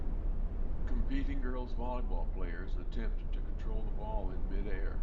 Competing girls volleyball players attempt to control the ball in midair.